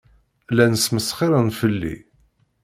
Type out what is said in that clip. Llan smesxiren fell-i.